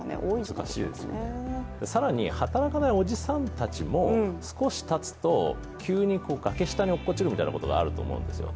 難しいですよね、更に働かないおじさんたちも少したつと、急に崖下に落っこちるみたいなことがあると思うんですよ。